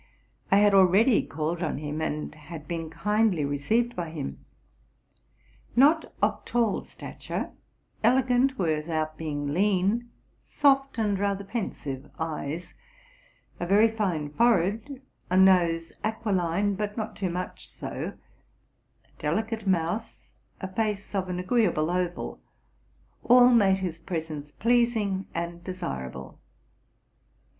I had already "called on him, and had been kindly received by him. Not of tal& RELATING TO MY LIFE. 205 stature ; elegant without being lean; soft and rather pensive eyes ; avery fine forehead ; a nose aquiline, but not too much so; a delicate mouth ; a face of an agreeable oval, — all made his presence pleasing and desirable.